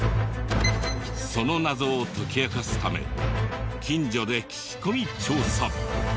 その謎を解き明かすため近所で聞き込み調査！